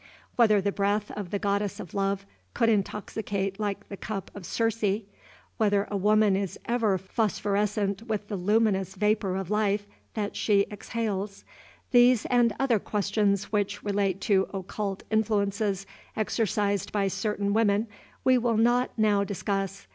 Whether the breath of the Goddess of Love could intoxicate like the cup of Circe, whether a woman is ever phosphorescent with the luminous vapor of life that she exhales, these and other questions which relate to occult influences exercised by certain women we will not now discuss.